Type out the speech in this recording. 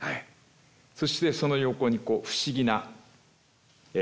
そしてその横に不思議なものが。